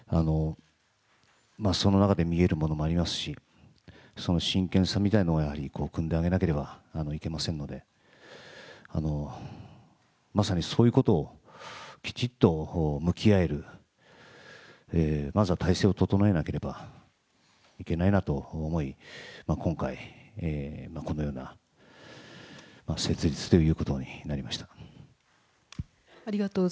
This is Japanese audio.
その中で見えるものもありますし真剣さみたいなものはくんであげなければいけませんので、まさに、そういうことをきちんと向き合える、まずは体制を整えなければいけないと思い、今回、このような設立ということになりました。